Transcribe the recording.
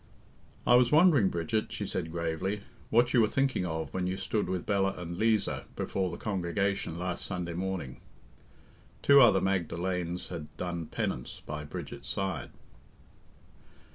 "I was wondering, Bridget," she said gravely, "what you were thinking of when you stood with Bella and Liza before the congregation last Sunday morning" two other Magda lenes had done penance by Bridget's side.